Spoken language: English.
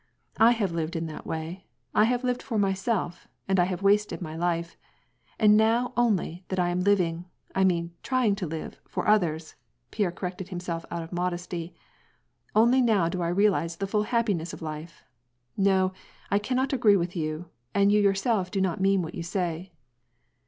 I have lived in that way ; I have lived for myself, and I have wasted my life. And now only that I am living — I mean trying to live — for others (Pierre corrected himself out of modesty) only now do I realize the full happi ness of life. Ko, I cannot agree with you ; and you yourself do not mean what you say."